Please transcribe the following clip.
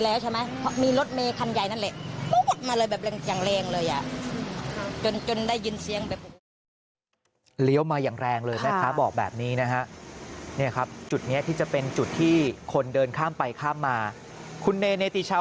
แรงมากเลยมันมาแบบใช่เค้าเป็นแบบนี้มันคงจะไม่เย็บแรงแบบมากหรอกเหรอ